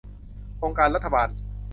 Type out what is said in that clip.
องค์การรัฐบาล